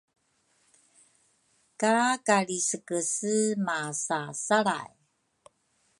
ka Kalrisekese masasalray